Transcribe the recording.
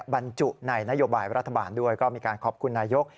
บรรจุในนโยบายรัฐบาลด้วยก็มีการขอบคุณนายก